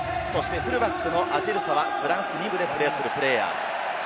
フルバックのアジェルサはフランス２部でプレーするプレーヤーです。